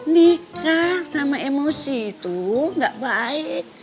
nikah sama emosi itu gak baik